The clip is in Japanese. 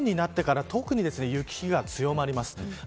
夜になってから特に雪が強まります。